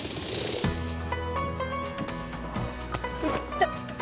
痛っ。